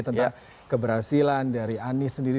tentang keberhasilan dari anies sendiri